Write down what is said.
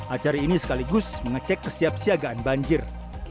acara ini sekaligus mengecek kesiap siagaan banjir